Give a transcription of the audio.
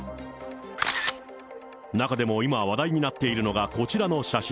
中でも今、話題になっているのが、こちらの写真。